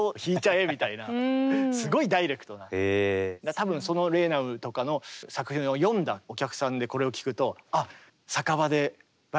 多分そのレーナウとかの作品を読んだお客さんでこれを聴くと「あっ」みたいな。